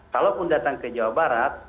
kalau pun datang ke jawa barat